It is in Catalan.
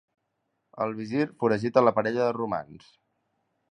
El visir foragita la parella de romans.